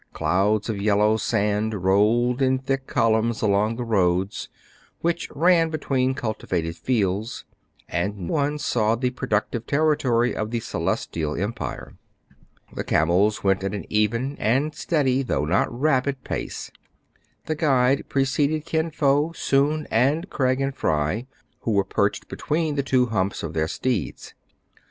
Clouds of yellow sand rolled in thick columns along the roads, which ran between cul tivated fields; and one still saw the productive territory of the Celestial Empire. The camels went at an even and steady, though not rapid, pace. The guide preceded Kin Fo, Soun, and Craig and Fry, who were perched between the two humps of their steeds.